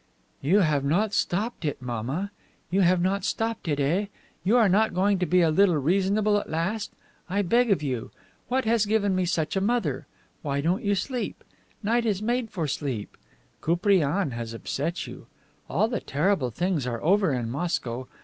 "You have not stopped it, mamma; you have not stopped it, eh? You are not going to be a little reasonable at last? I beg of you! What has given me such a mother! Why don't you sleep? Night is made for sleep. Koupriane has upset you. All the terrible things are over in Moscow.